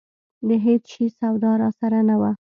د هېڅ شي سودا راسره نه وه.